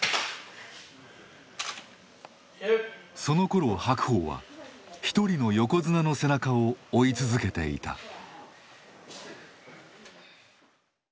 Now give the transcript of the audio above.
そのころ白鵬は一人の横綱の背中を追い続けていた。